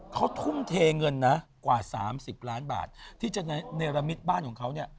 เขาทุ่มเทเงินนะกว่า๓๐ล้านบาทที่จะเนรมิตบ้านของเขาเนี่ย